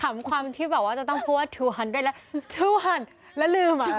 ขำความที่จะต้องพูด๒๐๐แล้ว๒๐๐แล้วลืมอะ